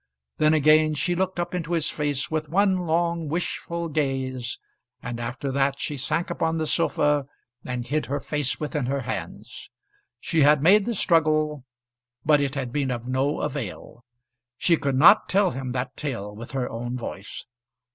Then again she looked up into his face with one long wishful gaze; and after that she sank upon the sofa and hid her face within her hands. She had made the struggle, but it had been of no avail. She could not tell him that tale with her own voice.